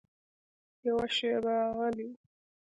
يوه شېبه غلی و.